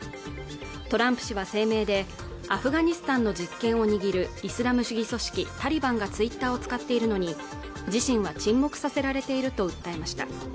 トランプ氏は声明でアフガニスタンの実権を握るイスラム主義組織タリバンがツイッターを使っているのに自身は沈黙させられていると訴えました